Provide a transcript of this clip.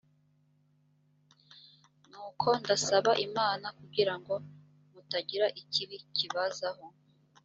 nuko ndasaba imana kugira ngo mutagira ikibi kibazaho